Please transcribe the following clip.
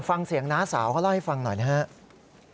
ฟังเสียงน้าสาวเขาเล่าให้ฟังหน่อยนะครับ